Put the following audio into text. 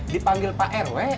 dipanggil pak rw